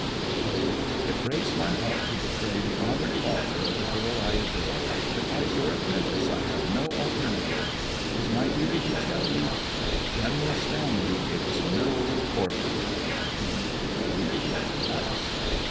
FREDERIC: It breaks my heart to betray the honoured father of the girl I adore, but as your apprentice I have no alternative. It is my duty to tell you that General Stanley is no orphan! KING/RUTH: What!